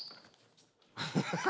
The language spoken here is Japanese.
ハハハハ！